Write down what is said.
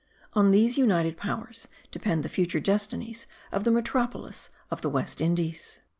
On these united powers depend the future destinies of the metropolis of the West Indies.